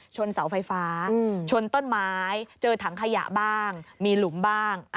เสาไฟฟ้าชนต้นไม้เจอถังขยะบ้างมีหลุมบ้าง